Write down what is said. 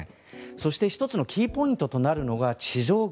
そして一つのキーポイントとなるのが地上軍。